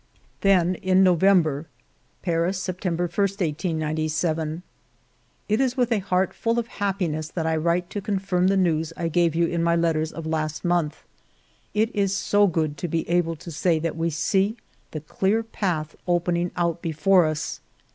Then in November :— Paris, September i, 1897. " It is with a heart full of happiness that I write to confirm the news I gave you in my letters of last month. It is so good to be able to say that we see the clear path opening out before us.